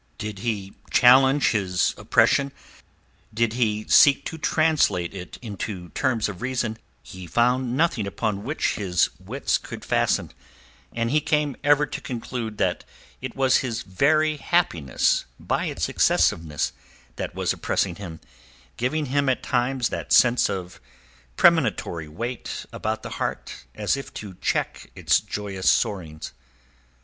Did he challenge his oppression, did he seek to translate it into terms of reason, he found nothing upon which his wits could fasten—and he came ever to conclude that it was his very happiness by its excessiveness that was oppressing him, giving him at times that sense of premonitory weight about the heart as if to check its joyous soarings.